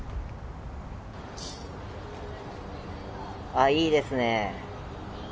ああいいですねえ。